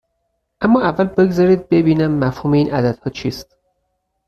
اما اول بگذارید ببینیم مفهوم این عددها چیست.